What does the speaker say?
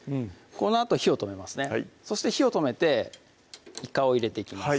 このあと火を止めますねそして火を止めていかを入れていきます